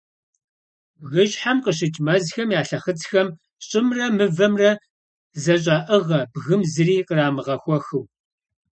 Бгыщхьэм къыщыкӏ мэзхэм я лъэхъыцхэм щӏымрэ мывэмрэ зэщӏаӏыгъэ бгым зыри кърамыгъэхуэхыу.